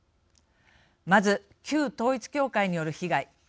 まず、旧統一教会による被害。